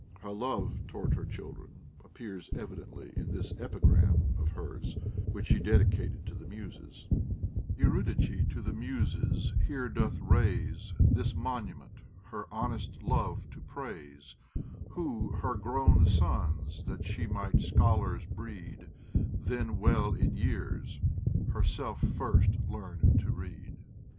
Her love towards her children appears evidently in this Epigram of hers, which she dedi cated to the Muses :— Eurydice to the Muses here doth raise This monument, her honest love to praise; Who her grown sons that she might sciiolars breed, Then well in yeais, heraelf first learned to read.